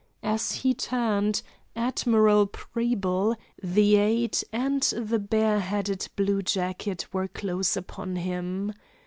As he turned, Admiral Preble, the aide, and the bareheaded bluejacket were close upon him.